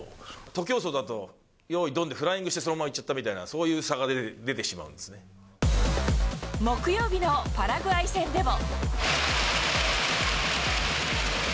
徒競走だと、よーいどんで、フライングして、そのまま行っちゃったみたいな、木曜日のパラグアイ戦でも。